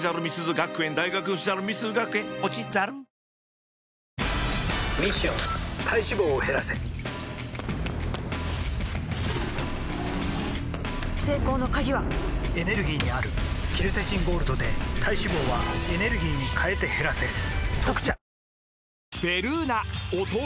ミッション体脂肪を減らせ成功の鍵はエネルギーにあるケルセチンゴールドで体脂肪はエネルギーに変えて減らせ「特茶」